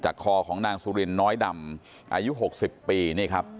คอของนางสุรินน้อยดำอายุ๖๐ปีนี่ครับ